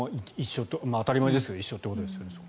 当たり前ですけど一緒ということですよね。